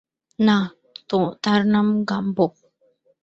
না, তার নাম গাম্বো।